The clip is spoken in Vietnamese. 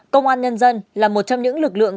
công an nhân dân là một trong những lực lượng